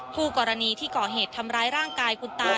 ผู้กรณีที่ก่อเหตุทำร้ายร่างกายคุณตา